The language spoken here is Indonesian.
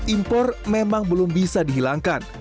impor memang belum bisa dihilangkan